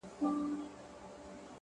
علم د تصمیم نیولو ځواک زیاتوي,